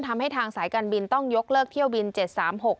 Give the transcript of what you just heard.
ทำให้ทางสายการบินต้องยกเลิกเที่ยวบินเจ็ดสามหก